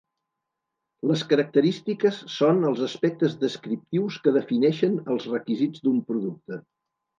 Les característiques són els aspectes descriptius que defineixen els requisits d’un producte.